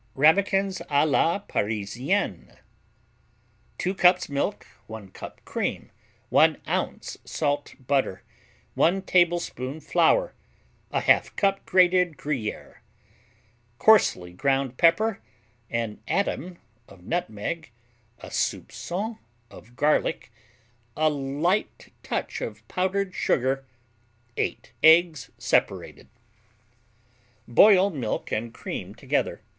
Ramequins à la Parisienne 2 cups milk 1 cup cream 1 ounce salt butter 1 tablespoon flour 1/2 cup grated Gruyère Coarsely ground pepper An atom of nutmeg A soupçon of garlic A light touch of powdered sugar 8 eggs, separated Boil milk and cream together.